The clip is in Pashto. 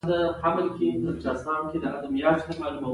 وزې له خپلو سره نه بیلېږي